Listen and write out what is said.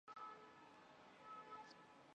书展成为暑期的香港阅读周。